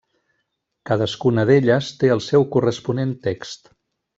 Cadascuna d’elles té el seu corresponent text.